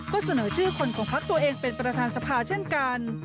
ก็เสนอชื่อคนของพักตัวเองเป็นประธานสภาเช่นกัน